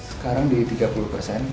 sekarang di tiga puluh persen